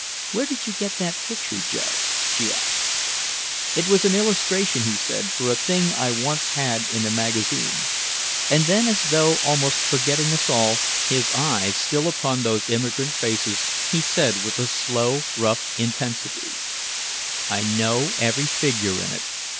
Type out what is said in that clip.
"Where did you get that picture, Joe?" she asked. "It was an illustration," he said, "for a thing I once had in a magazine." And then as though almost forgetting us all, his eyes still upon those immigrant faces, he said with a slow, rough intensity: "I know every figure in it.